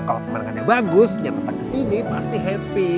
kalau pemandangannya bagus yang datang kesini pasti happy